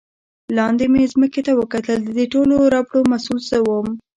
لاندې مې ځمکې ته وکتل، د دې ټولو ربړو مسؤل زه ووم.